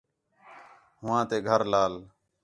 ہوآں تے گھر لال